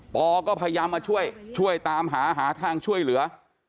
อก็พยายามมาช่วยช่วยตามหาหาทางช่วยเหลือ